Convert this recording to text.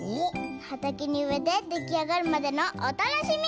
はたけにうえてできあがるまでのおたのしみ！